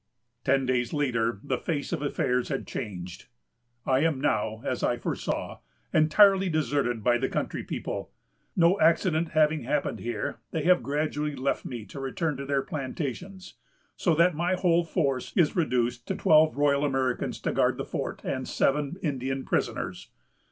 Ten days later, the face of affairs had changed. "I am now, as I foresaw, entirely deserted by the country people. No accident having happened here, they have gradually left me to return to their plantations; so that my whole force is reduced to twelve Royal Americans to guard the fort, and seven Indian prisoners.